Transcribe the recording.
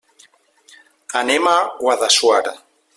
Anem a Guadassuar.